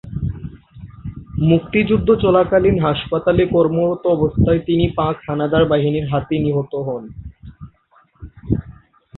মুক্তিযুদ্ধ চলাকালীন হাসপাতালে কর্মরত অবস্থায় তিনি পাক হানাদার বাহিনীর হাতে নিহত হন।